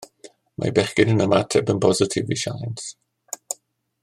Mae bechgyn yn ymateb yn bositif i sialens